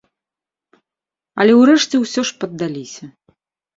Але ўрэшце ўсё ж паддаліся.